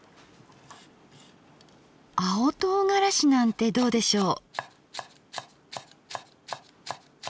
青とうがらしなんてどうでしょう？